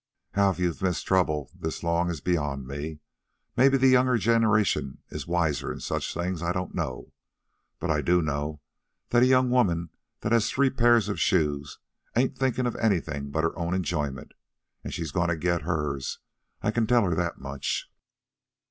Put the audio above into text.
How you've missed trouble this long is beyond me. Mebbe the younger generation is wiser in such things I don't know. But I do know that a young woman that has three pairs of shoes ain't thinkin' of anything but her own enjoyment, an' she's goin' to get hers, I can tell her that much.